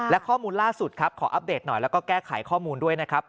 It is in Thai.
และข้อมูลล่าสุดครับขออัปเดตหน่อยแล้วก็แก้ไขข้อมูลด้วยนะครับ